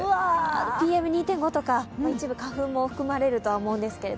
ＰＭ２．５とか一部花粉も含まれると思うんですが。